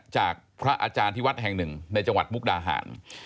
จากพระอาจารย์ที่วัดแห่งหนึ่งในจังหวัดมุกดาหาร